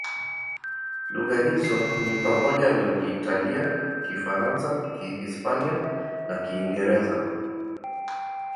Lugha hizo ni pamoja na Kiitalia, Kifaransa, Kihispania na Kiingereza.